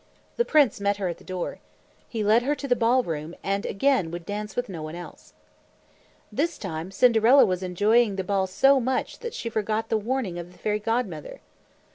The prince met her at the door. He led her to the ball room and again would dance with no one else. This time Cinderella was enjoying the ball so much that she forgot the warning of the Fairy Godmother.